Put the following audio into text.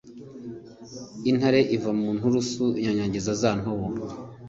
intare iva mu nturusu inyanyagiza za ntobo.